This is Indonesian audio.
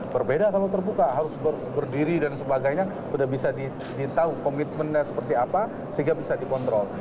berbeda kalau terbuka harus berdiri dan sebagainya sudah bisa ditahu komitmennya seperti apa sehingga bisa dikontrol